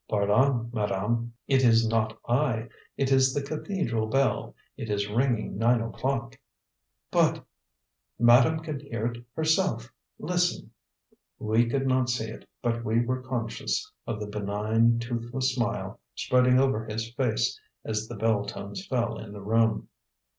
"Pardon, madame; it is not I. It is the cathedral bell; it is ringing nine o'clock." "But " "Madame can hear it herself. Listen!" We could not see it, but we were conscious of the benign, toothless smile spreading over his face as the bell tones fell in the room.